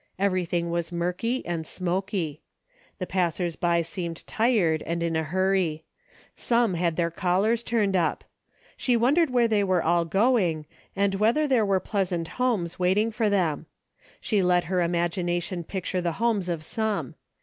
Everything was murky and smoky. The passers by seemed tired and in a hurry. Some had their collars turned up. She wondered where they were all going, and whether there were pleasant homes awaiting them. She let her imagination picture the homes of some.